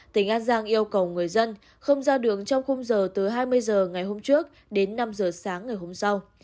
tỉnh an giang yêu cầu người dân không ra đường trong khung giờ từ hai mươi h ngày hôm trước đến năm h sáng ngày hôm sau